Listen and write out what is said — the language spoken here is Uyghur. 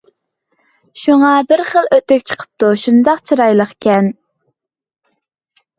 شۇڭا بىر خىل ئۆتۈك چىقىپتۇ شۇنداق چىرايلىقكەن.